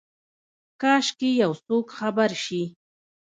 کاشکي یوڅوک خبر شي،